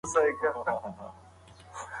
لوستونکي باید متن په دقت ولولي.